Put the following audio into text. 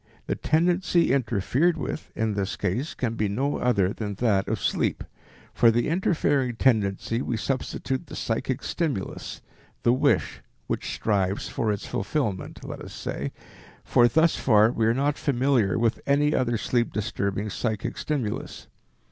The tendency interfered with, in this case, can be no other than that of sleep. For the interfering tendency we substitute the psychic stimulus, the wish which strives for its fulfillment, let us say, for thus far we are not familiar with any other sleep disturbing psychic stimulus.